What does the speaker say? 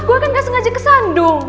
gue kan gak sengaja kesan dong